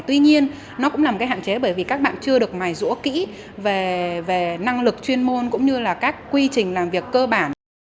tuy nhiên nó cũng là một cái hạn chế bởi vì các bạn chưa được mài rũa kỹ về năng lực chuyên môn cũng như là các quy trình làm việc cơ bản